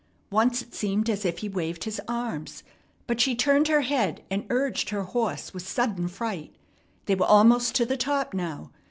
Once it seemed as if he waved his arms; but she turned her head, and urged her horse with sudden fright. They were almost to the top now.